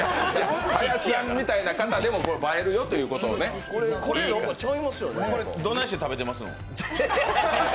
林さんみたいな人でも映えるよというねこれ、どないして食べてますの？